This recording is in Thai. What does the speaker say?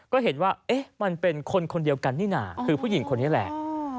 ก็เห็นว่าเอ๊ะมันเป็นคนคนเดียวกันนี่น่ะคือผู้หญิงคนนี้แหละ